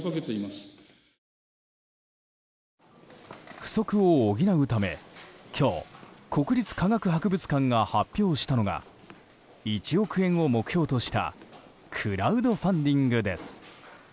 不足を補うため今日、国立科学博物館が発表したのが１億円を目標としたクラウドファンディングです。